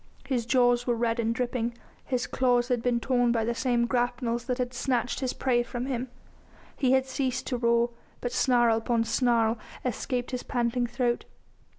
His jaws were red and dripping, his claws had been torn by the same grapnels that had snatched his prey from him. He had ceased to roar, but snarl upon snarl escaped his panting throat.